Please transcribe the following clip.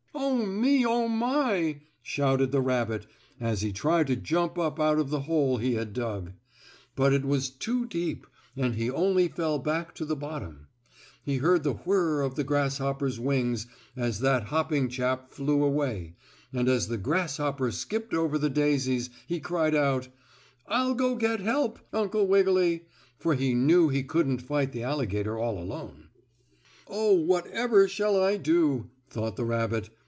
"Oh, me! Oh, my!" shouted the rabbit, as he tried to jump up out of the hole he had dug. But it was too deep and he only fell back to the bottom. He heard the whirr of the grasshopper's wings as that hopping chap flew away, and as the grasshopper skipped over the daisies he cried out: "I'll go get help, Uncle Wiggily!" for he knew he couldn't fight the alligator all alone. "Oh, whatever shall I do?" thought the rabbit.